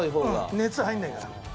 熱入らないから。